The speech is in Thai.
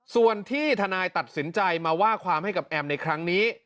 ส่วนที่ทนายตัดสินใจมาว่าความให้กับแอมในครั้งนี้